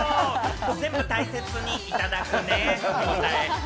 全部大切にいただくね。